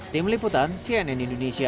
tim liputan cnn indonesia